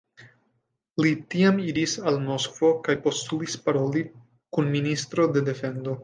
Li tiam iris al Moskvo kaj postulis paroli kun ministro de defendo.